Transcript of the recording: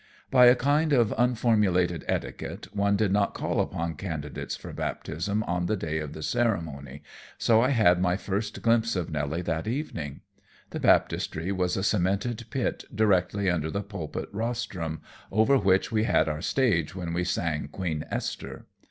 By a kind of unformulated etiquette one did not call upon candidates for baptism on the day of the ceremony, so I had my first glimpse of Nelly that evening. The baptistry was a cemented pit directly under the pulpit rostrum, over which we had our stage when we sang "Queen Esther."